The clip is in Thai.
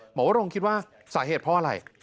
วรงคิดว่าสาเหตุเพราะอะไร